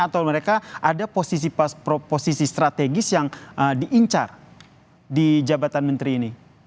atau mereka ada posisi strategis yang diincar di jabatan menteri ini